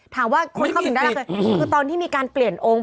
ถามว่าคนเข้าไปถึงได้คือตอนที่มีการเปลี่ยนอง